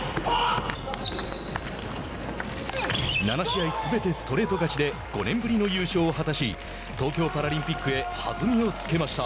７試合すべてストレート勝ちで５年ぶりの優勝を果たし東京パラリンピックへ弾みをつけました。